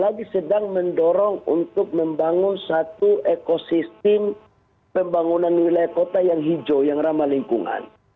lagi sedang mendorong untuk membangun satu ekosistem pembangunan wilayah kota yang hijau yang ramah lingkungan